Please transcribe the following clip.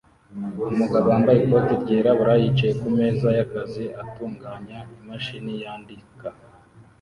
Umugabo wambaye ikoti ryirabura yicaye kumeza yakazi atunganya imashini yandika